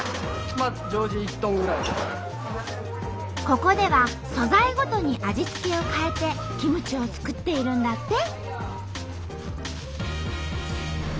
ここでは素材ごとに味付けを変えてキムチを作っているんだって。